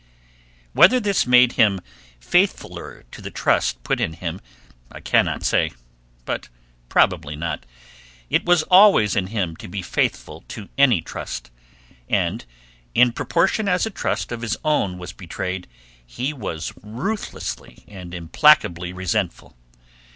'" Whether this made him faithfuler to the trust put in him I cannot say, but probably not; it was always in him to be faithful to any trust, and in proportion as a trust of his own was betrayed he was ruthlessly and implacably resentful.